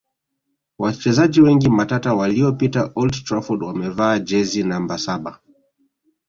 Wachezaji wengi matata waliopita old Trafford wamevaa jezi namba saba